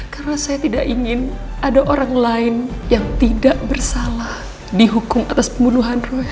karena saya tidak ingin ada orang lain yang tidak bersalah dihukum atas pembunuhan roy